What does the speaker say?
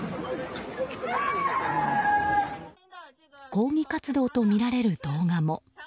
抗議活動とみられる動画も。